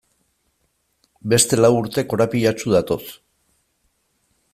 Beste lau urte korapilatsu datoz.